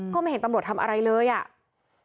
ก็ไม่เห็นตำรวจทำอะไรเลยอ่ะ